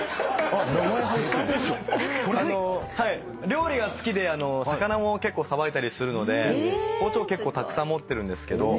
料理が好きで魚も結構さばいたりするので包丁結構たくさん持ってるんですけど。